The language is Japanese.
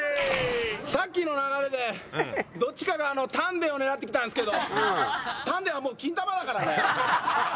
さっきの流れでどっちかが丹田を狙ってきたんですけど丹田はもう。